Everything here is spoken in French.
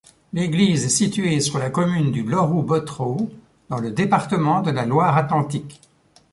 L'église est située sur la commune du Loroux-Bottereau, dans le département de la Loire-Atlantique.